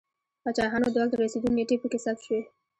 د پاچاهانو د واک ته رسېدو نېټې په کې ثبت شوې